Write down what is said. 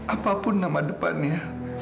apapun nama depannya